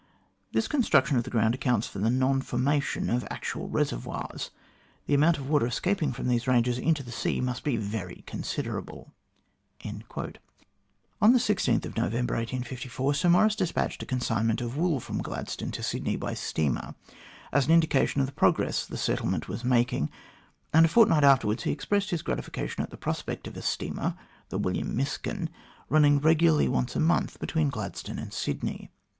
This construction of the ground accounts for the non formation of actual reservoirs. The amount of water escaping from these ranges into the sea must be very considerable." On November 16, 1854, Sir Maurice despatched a consign ment of wool from Gladstone to Sydney by steamer, as an indication of the progress the settlement was making, and a fortnight afterwards he expressed his gratification at the prospect of a steamer, the William Miskin, running regularly once a month between Gladstone and Sydney.